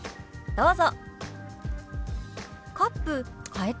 どうぞ。